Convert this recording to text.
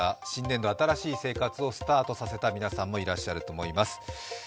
新しい生活をスタートさせた皆さんもいらっしゃると思います。